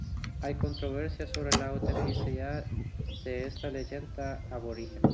Hay controversia sobre la autenticidad de esta leyenda aborigen.